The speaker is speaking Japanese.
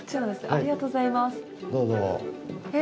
ありがとうございます。